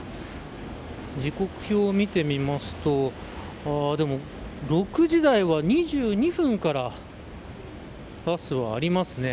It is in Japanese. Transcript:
時刻表を見てみますとでも、６時台は２２分からバスはありますね。